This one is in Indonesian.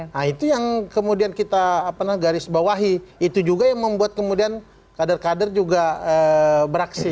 nah itu yang kemudian kita garis bawahi itu juga yang membuat kemudian kader kader juga beraksi